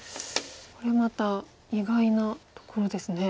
これまた意外なところですね。